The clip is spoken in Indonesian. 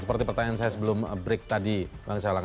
seperti pertanyaan saya sebelum break tadi bang salang